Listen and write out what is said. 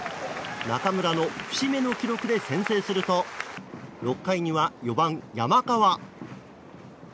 中村の節目の記録で先制すると６回には４番、山川。